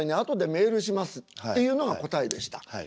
後でメールします」っていうのが答えでした。